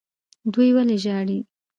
دوی ولې ژاړي.